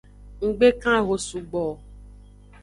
Nggbe kan eho sugbo o.